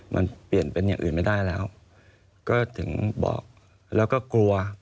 มันเปลี่ยนเป็นอย่างอื่นไม่ได้แล้วก็ถึงบอกแล้วก็กลัว